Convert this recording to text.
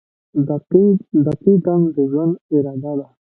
• دقیقه د ژوند اراده ده.